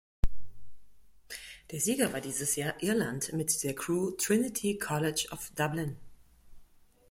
Der Sieger war dieses Jahr Irland mit der Crew "Trinity College of Dublin".